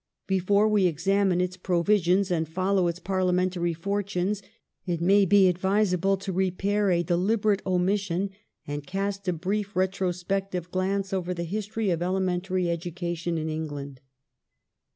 Before we examine its provisions and follow its parliamentary fortunes, it may be advis able to repair a deliberate omission and cast a brief retrospective glance over the history of elementary education in England.